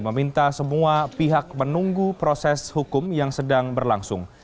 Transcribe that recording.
meminta semua pihak menunggu proses hukum yang sedang berlangsung